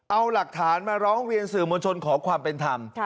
เอาหลักฐานมาร้องเรียนสื่อมวลชนขอความเป็นธรรม